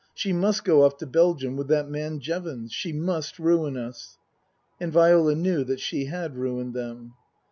She must go off to Belgium with that man Jevons. She must ruin us." And Viola knew that she had ruined them.